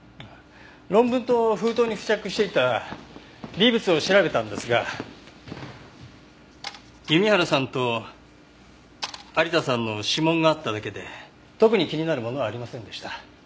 論文と封筒に付着していた微物を調べたんですが弓原さんと有田さんの指紋があっただけで特に気になるものはありませんでした。